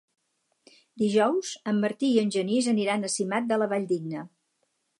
Dijous en Martí i en Genís aniran a Simat de la Valldigna.